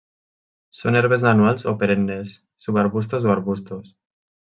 Són herbes anuals o perennes, subarbustos o arbustos.